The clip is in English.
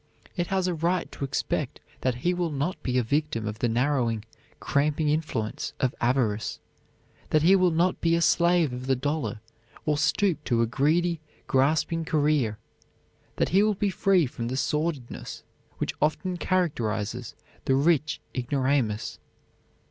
It has a right to expect that he will not be a victim of the narrowing, cramping influence of avarice; that he will not be a slave of the dollar or stoop to a greedy, grasping career: that he will be free from the sordidness which often characterizes the rich ignoramus.